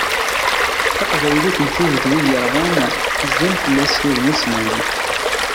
Taqbaylit n tid d wid irɣan, zzan fell-as s wudem usnan.